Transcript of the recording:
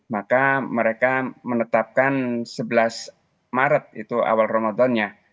maka mereka menetapkan sebelas maret itu awal ramadannya